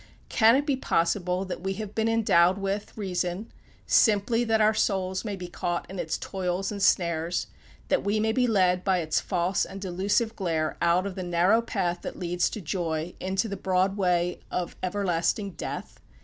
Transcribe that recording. Can it be possible that we have been endowed with, reason simply that our souls may be caught in its toils and snares, that we may be led by its false' and delusive glare out of the narrow path that leads to joy into the broad way of everlasting death?